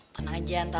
tenang aja ntar